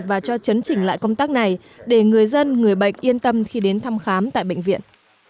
và cho chấn chỉnh lại công tác này để người dân người bệnh yên tâm khi đến thăm khám tại bệnh viện